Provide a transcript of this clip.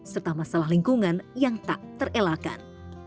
serta masalah lingkungan yang tak terelakkan